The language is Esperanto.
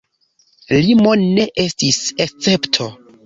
Limo ne estis escepto.